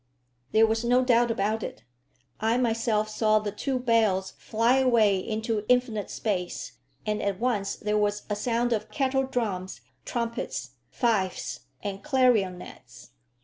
There was no doubt about it. I myself saw the two bails fly away into infinite space, and at once there was a sound of kettle drums, trumpets, fifes, and clarionets.